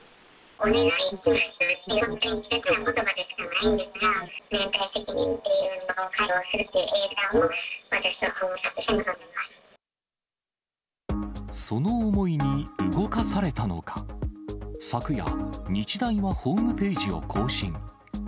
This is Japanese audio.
お願いしますという稚拙なことばでしかないのですが、連帯責任っていうのを解放するっていう英断を、私は保護者としてその思いに動かされたのか、昨夜、日大はホームページを更新。